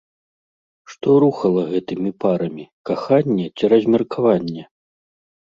Што рухала гэтымі парамі, каханне ці размеркаванне?